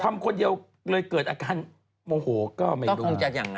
ทำคนเดียวมึงเลยเกิดอาการโมโหก็ไม่รู้